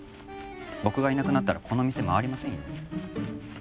僕がいなくなったらこの店回りませんよ。